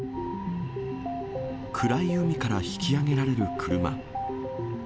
暗い海から引き上げられる車。